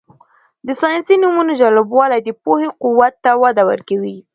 د ساینسي نومونو جالبوالی د پوهې قوت ته وده ورکوي.